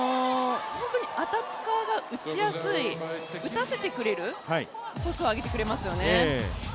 アタッカーが打ちやすい、打たせてくれるトスを上げてくれますよね。